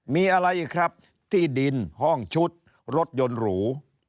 มีอะไรอีกครับที่ดินห้องชุดรถยนต์หรู